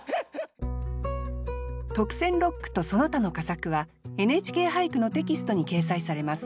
特選六句とその他の佳作は「ＮＨＫ俳句」のテキストに掲載されます。